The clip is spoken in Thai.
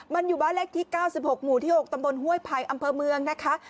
มันอยู่บ้านเลขที่๙๖หมู่ที่๖ตำบลห้วยไผ่อำเภอเมืองนะคะ